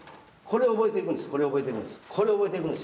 これを覚えていくんですよ。